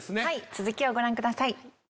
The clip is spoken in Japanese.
続きをご覧ください。